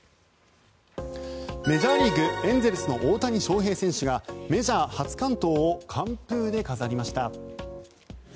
メジャーリーグエンゼルスの大谷翔平選手がメジャー初完投を完封で飾りました。